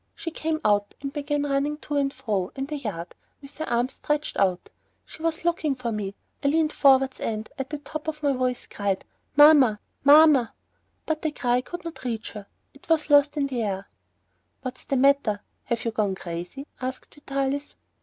She came out and began running to and fro, in the yard, with her arms stretched out. She was looking for me. I leaned forwards and, at the top of my voice, I cried: "Mamma! Mamma!" But my cry could not reach her, it was lost in the air. "What's the matter? Have you gone crazy?" asked Vitalis.